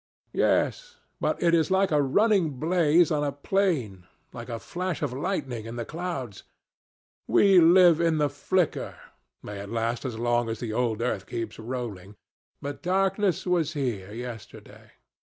Yes; but it is like a running blaze on a plain, like a flash of lightning in the clouds. We live in the flicker may it last as long as the old earth keeps rolling! But darkness was here yesterday.